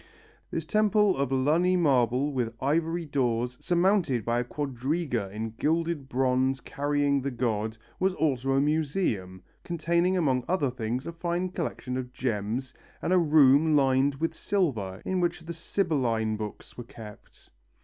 This temple of Luni marble with ivory doors, surmounted by a quadriga in gilded bronze carrying the god, was also a museum, containing among other things a fine collection of gems, and a room lined with silver in which the Sibylline Books were kept.